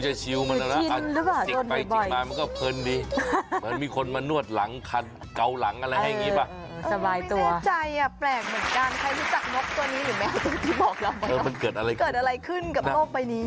ใครรู้จักนกตัวนี้หรือไม่มันเกิดอะไรขึ้นมันเปลี่ยนไปแล้ว